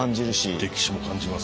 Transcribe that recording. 歴史も感じます。